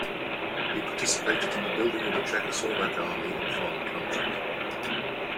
He participated in the building of the Czechoslovak army in foreign countries.